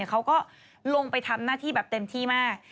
เขาก็ลงไปทำหน้าที่แบบเต็มที่มาก